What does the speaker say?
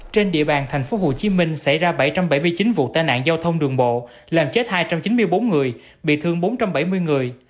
trên địa bàn tp hcm xảy ra bảy trăm bảy mươi chín vụ tai nạn giao thông đường bộ làm chết hai trăm chín mươi bốn người bị thương bốn trăm bảy mươi người